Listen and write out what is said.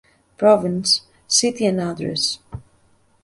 Province, city and address